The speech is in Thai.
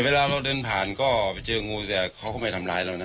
เวลาเราเข้าป่าไปเจองูเซียเขาไม่ทำร้าย